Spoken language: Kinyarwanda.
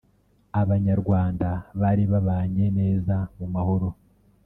abanyarwanda bari babanye neza mu mahoro